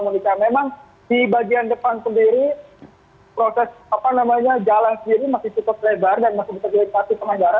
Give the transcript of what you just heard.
memang di bagian depan sendiri proses apa namanya jalan sendiri masih cukup lebar dan masih beraktivitas kemandara